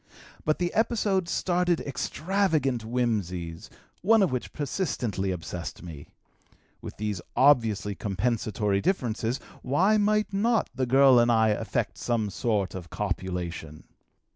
But the episode started extravagant whimsies, one of which persistently obsessed me: with these obviously compensatory differences, why might not the girl and I effect some sort of copulation?